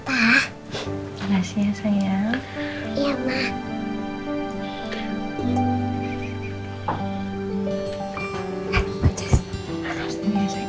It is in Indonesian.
terima kasih ya sayang